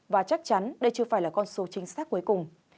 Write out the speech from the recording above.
và chắc chắn đây chưa phải là con số chính xác cuối cùng